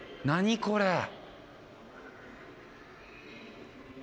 何これ？